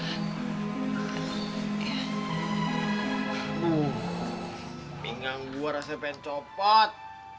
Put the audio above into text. aduh pinggang gua rasanya pengen copot